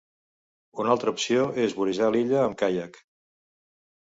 Una altra opció és vorejar l’illa amb caiac.